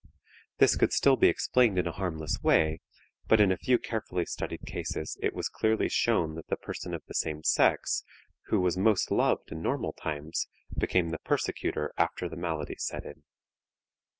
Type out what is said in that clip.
This could still be explained in a harmless way, but in a few carefully studied cases it was clearly shown that the person of the same sex, who was most loved in normal times, became the persecutor after the malady set in.